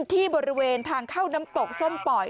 ที่บริเวณทางเข้าน้ำตกส้มป่อย